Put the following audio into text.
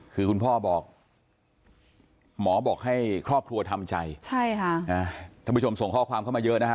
คือคุณพ่อบอกหมอบอกให้ครอบครัวทำใจใช่ค่ะท่านผู้ชมส่งข้อความเข้ามาเยอะนะฮะ